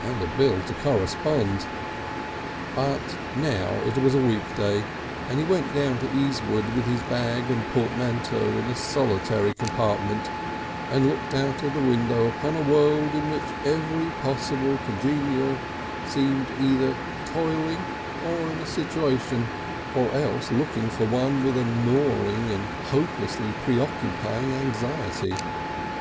and a bill to correspond; but now it was a weekday, and he went down to Easewood with his bag and portmanteau in a solitary compartment, and looked out of the window upon a world in which every possible congenial seemed either toiling in a situation or else looking for one with a gnawing and hopelessly preoccupying anxiety.